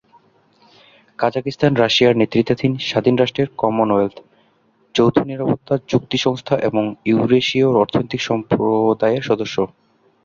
কাজাখস্তান রাশিয়ার নেতৃত্বাধীন স্বাধীন রাষ্ট্রের কমনওয়েলথ, যৌথ নিরাপত্তা চুক্তি সংস্থা এবং ইউরেশীয় অর্থনৈতিক সম্প্রদায়ের সদস্য।